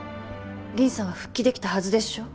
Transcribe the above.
銀さんは復帰できたはずでしょ？